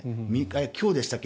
今日でしたっけ